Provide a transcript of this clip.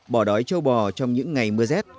bỏ đói trâu bò trong những ngày mưa rét